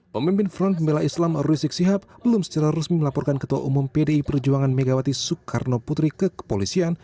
pemimpin front pembela islam rizik sihab belum secara resmi melaporkan ketua umum pdi perjuangan megawati soekarno putri ke kepolisian